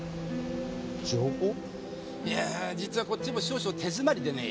いやぁ実はこっちも少々手詰まりでね。